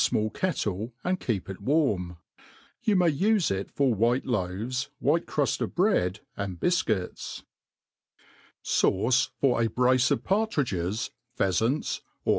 faiall kettle, and Jkeep it warm. Yoii may ufe it for white loaves, white cruft of bread', and bifcuits^ , &iUOifira Brace ^cf Partridg^s^ Ph^nts^iOr any.